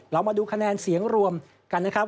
เรามาดูคะแนนเสียงรวมกันนะครับ